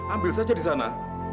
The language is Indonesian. ambil saja disana